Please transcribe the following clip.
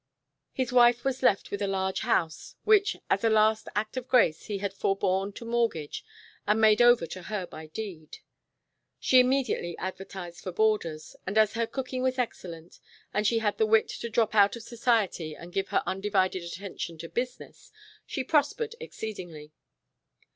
His wife was left with a large house, which as a last act of grace he had forborne to mortgage and made over to her by deed. She immediately advertised for boarders, and as her cooking was excellent and she had the wit to drop out of society and give her undivided attention to business, she prospered exceedingly.